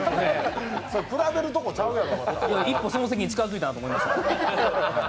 それ、比べるとこちゃうやろ一歩、その席に近づいたと思いましたよ。